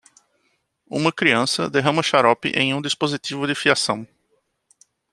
Uma criança derrama xarope em um dispositivo de fiação